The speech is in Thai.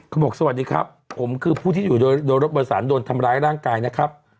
บอกสวัสดีครับผมคือผู้ที่อยู่โดยรถโดยสารโดนทำร้ายร่างกายนะครับ